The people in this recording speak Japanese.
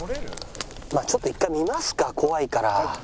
まあちょっと１回見ますか怖いから。